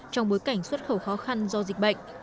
trong bối cảnh xuất khẩu khó khăn do dịch bệnh